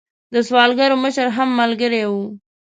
د سوداګرو مشر هم ملګری وو.